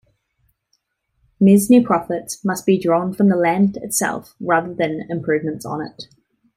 Mesne profits must be drawn from the land itself, rather than improvements on it.